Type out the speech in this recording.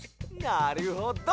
なるほど！